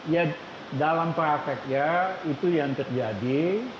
ya dalam prakteknya itu yang terjadi